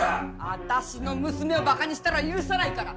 私の娘を馬鹿にしたら許さないから！